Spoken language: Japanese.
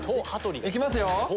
いきますよ！